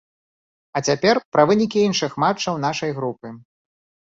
А цяпер пра вынікі іншых матчаў нашай групы.